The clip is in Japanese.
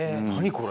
これ。